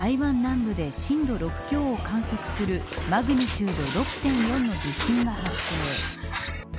実は、おとといも台湾南部で震度６強を観測するマグニチュード６．４の地震が発生。